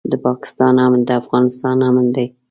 د پاکستان امن د افغانستان امن دی.